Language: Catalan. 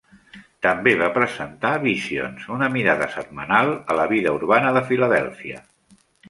També va presentar "Visions", una mirada setmanal a la vida urbana de Philadelphia.